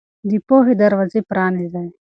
د پوهې دروازې پرانيزئ.